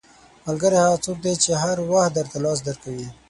• ملګری هغه څوک دی چې هر وخت درته لاس درکوي.